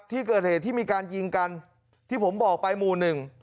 ที่เกิดเหตุที่มีการยิงกันที่ผมบอกไปหมู่หนึ่ง